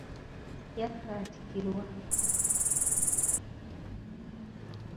Yaakatikkirwa.